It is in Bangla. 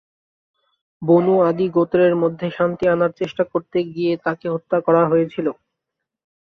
বনু-আদি গোত্রের মধ্যে শান্তি আনার চেষ্টা করতে গিয়ে তাকে হত্যা করা হয়েছিল।